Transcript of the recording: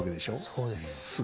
そうです。